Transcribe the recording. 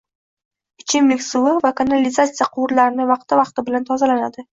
Ichimlik suvi va kanalizatsiya quvurlarini vaqti-vaqti bilan tozalandi.